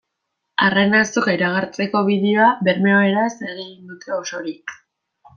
Arrain Azoka iragartzeko bideoa bermeoeraz egin dute osorik.